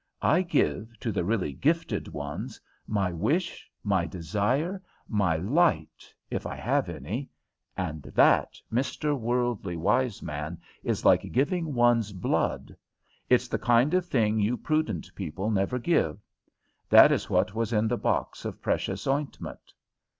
I give, to the really gifted ones, my wish, my desire, my light, if I have any; and that, Mr. Worldly Wiseman, is like giving one's blood! It's the kind of thing you prudent people never give. That is what was in the box of precious ointment."